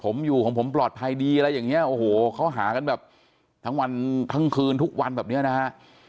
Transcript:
ผมอยู่ของผมปลอดภัยดีอะไรอย่างเงี้ยโอ้โหเขาหากันแบบทั้งวันทั้งคืนทุกวันแบบเนี้ยนะฮะ